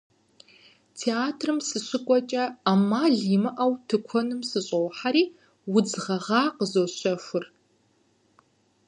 Театрым сыщыкӏуэкӏэ ӏэмал имыӏэу тыкуэным сыщӏохьэри, удз гъэгъа къызощэхур.